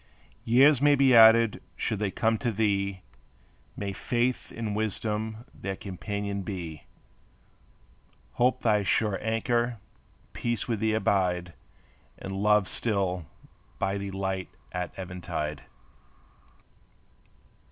Years may be added; should they come to thee May Faith and Wisdom their companion be; Hope thy sure anchor; Peace with thee abide, And Love still be thy light at eventide.